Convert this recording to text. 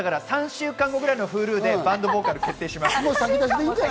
３週間後ぐらいのＨｕｌｕでバンドボーカル決定します。